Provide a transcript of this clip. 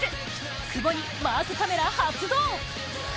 久保にマークカメラ発動！